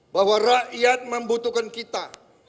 bahwa rakyat membutuhkan kita